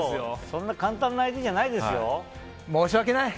そんな簡単な相手じゃないですよ。